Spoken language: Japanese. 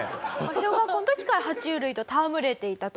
小学校の時から爬虫類と戯れていたと。